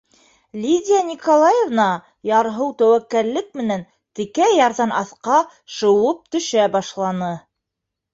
Лидия Николаевна ярһыу тәүәккәллек менән текә ярҙан аҫҡа шыуып төшә башланы.